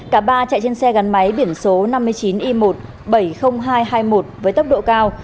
cả ba chạy trên xe gắn máy biển số năm mươi chín i một bảy mươi nghìn hai trăm hai mươi một với tốc độ cao